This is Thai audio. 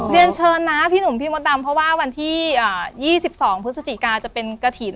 เรียนเชิญนะพี่หนุ่มพี่มดดำเพราะว่าวันที่๒๒พฤศจิกาจะเป็นกระถิ่น